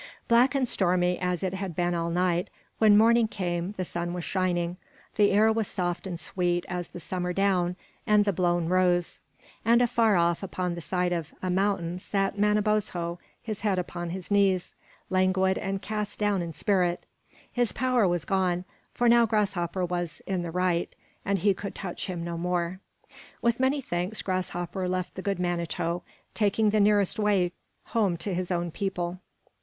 Black and stormy as it had been all night, when morning came the sun was shining, the air was soft and sweet as the summer down and the blown rose; and afar off upon the side of a mountain sat Manabozho, his head upon his knees, languid and cast down in spirit. His power was gone, for now Grasshopper was in the right, and he could touch him no more. With many thanks Grasshopper left the good Manito, taking the nearest way home to his own people.